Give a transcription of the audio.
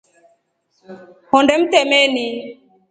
Hondee mtremeni.